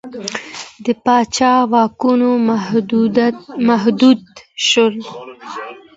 د پاچا واکونه محدود شول.